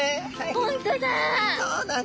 本当だ！